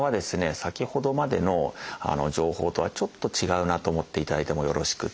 先ほどまでの情報とはちょっと違うなと思っていただいてもよろしくて。